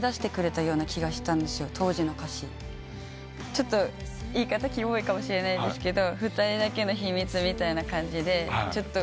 ちょっと言い方キモいかもしれないですけど。